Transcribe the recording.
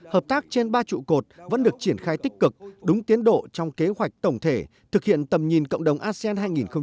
hợp tác trên ba trụ cột vẫn được triển khai tích cực đúng tiến độ trong kế hoạch tổng thể thực hiện tầm nhìn cộng đồng asean hai nghìn hai mươi năm